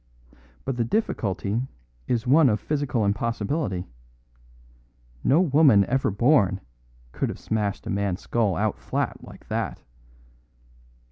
But the difficulty is one of physical impossibility. No woman ever born could have smashed a man's skull out flat like that."